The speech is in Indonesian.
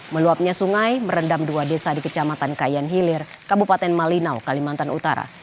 meluapnya sungai merendam dua desa di kecamatan kayan hilir kabupaten malinau kalimantan utara